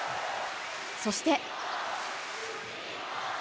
そして。